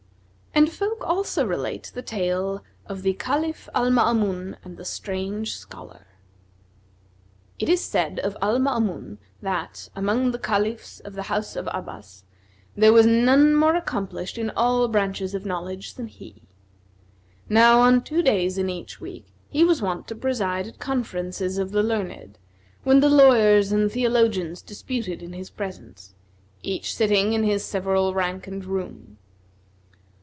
And folk also relate the tale of the CALIPH AL MAAMUN AND THE STRANGE SCHOLAR. It is said of Al Maamun that, among the Caliphs of the house of Abbas, there was none more accomplished in all branches of knowledge than he. Now on two days in each week, he was wont to preside at conferences of the learned, when the lawyers and theologians disputed in his presence, each sitting in his several rank and room.